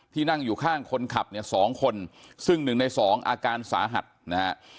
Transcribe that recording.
นั่งอยู่ข้างคนขับเนี่ยสองคนซึ่งหนึ่งในสองอาการสาหัสนะฮะ